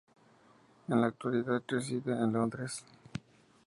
En la actualidad reside en Londres.